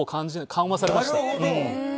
緩和されました。